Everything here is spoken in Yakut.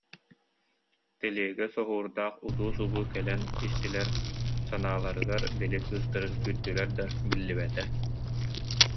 Тэлиэгэ соһуурдаах утуу-субуу кэлэн истилэр, санааларыгар, били, кыыстарын күүттүлэр да, биллибэтэ